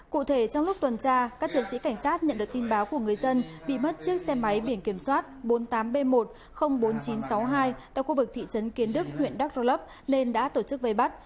cụ thể trong lúc tuần tra các chiến sĩ cảnh sát nhận được tin báo của người dân bị mất chiếc xe máy biển kiểm soát bốn mươi tám b một trăm linh bốn nghìn chín trăm sáu mươi hai tại khu vực thị trấn kiến đức huyện đắk rơ lấp nên đã tổ chức vây bắt